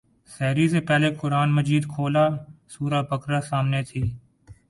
سحری سے پہلے قرآن مجید کھولا سورہ بقرہ سامنے تھی۔